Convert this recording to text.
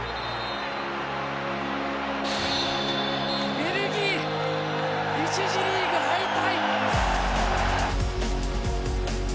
ベルギー１次リーグ敗退！